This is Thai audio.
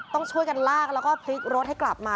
ต้องช่วยกันลากแล้วก็พลิกรถให้กลับมา